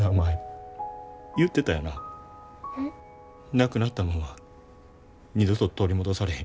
なくなったもんは二度と取り戻されへん。